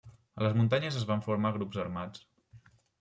A les muntanyes es van formar grups armats.